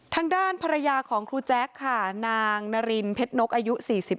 ทางด้านภรรยาของครูแจ๊คค่ะนางนารินเพชรนกอายุ๔๓